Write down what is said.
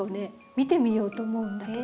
見てみようと思うんだけど。